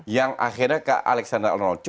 yang akhirnya ke alexander